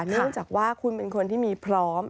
เนื่องจากว่าคุณเป็นคนที่มีพร้อม